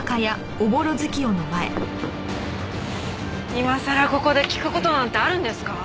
今さらここで聞く事なんてあるんですか？